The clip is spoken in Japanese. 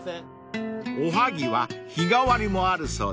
［おはぎは日替わりもあるそうです］